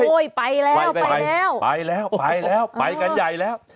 ไปแล้วไปแล้วไปแล้วไปกันใหญ่แล้ว